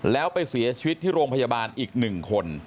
แล้วไปเสียชีวิตที่โรงพยาบาลอีก๑คน